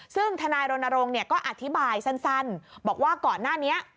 ซึ่งทนายรณรงค์ก็อธิบายสั้นบอกว่าก่อนหน้านี้